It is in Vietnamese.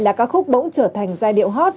là ca khúc bỗng trở thành giai điệu hot